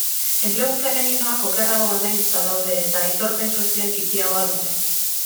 Enplegu femeninoak okerrago ordainduta daude eta aitorpen sozial txikiagoa dute.